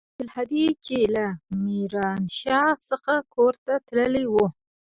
عبدالهادي چې له ميرانشاه څخه کور ته تللى و.